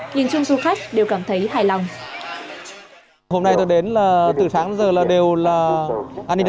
nhìn chung du khách đều cảm thấy hài lòng